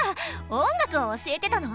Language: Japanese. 音楽を教えてたの？